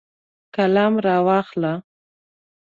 قلم راواخله.